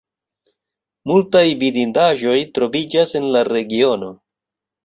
Multaj vidindaĵoj troviĝas en la regiono.